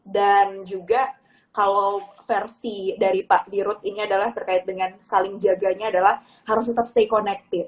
dan juga kalau versi dari pak dirut ini adalah terkait dengan saling jaganya adalah harus tetap stay connected